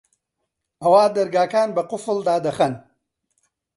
ئەوا دەرگاکان بە قوفڵ دادەخەن